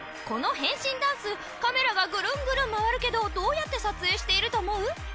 この変身ダンスカメラがぐるんぐるん回るけどどうやって撮影していると思う？